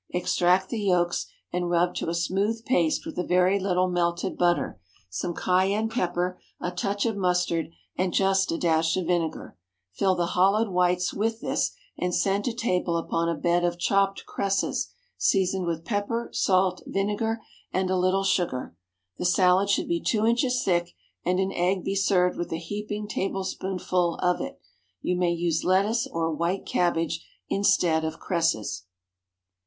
Extract the yolks, and rub to a smooth paste with a very little melted butter, some cayenne pepper, a touch of mustard, and just a dash of vinegar. Fill the hollowed whites with this, and send to table upon a bed of chopped cresses, seasoned with pepper, salt, vinegar, and a little sugar. The salad should be two inches thick, and an egg be served with a heaping tablespoonful of it. You may use lettuce or white cabbage instead of cresses.